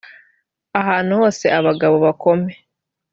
ahantu hose abagabo bakome